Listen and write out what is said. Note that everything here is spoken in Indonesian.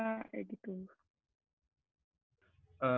kalau sekarang sama bokap latihan sama papa